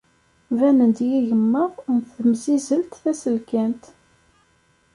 Banen-d yigemmaḍ n temsizzelt taseklant.